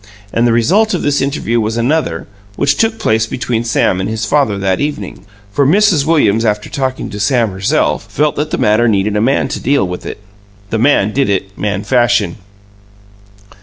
And the result of this interview was another, which took place between Sam and his father that evening, for Mrs. Williams, after talking to Sam herself, felt that the matter needed a man to deal with it. The man did it man fashion.